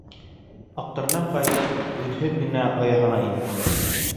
Аҡтырнаҡ, ҡайтып, өнһөҙ генә ояһына инеп ятты.